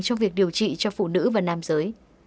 trong việc điều trị cho phụ nữ và nam giới